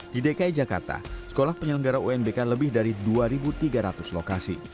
di dki jakarta sekolah penyelenggara unbk lebih dari dua tiga ratus lokasi